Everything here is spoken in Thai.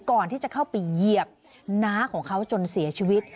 ก่อนที่จะเข้าไปเหยียบน้าของเขาจนเสียชีวิต